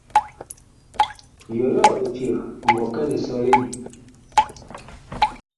Yɔyɔɔ eceg ɔ ngɔ kɛ lisɔlene ?